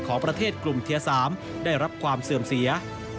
ของประเทศกลุ่มเทียร์๓ได้รับความเสื่อมเสีย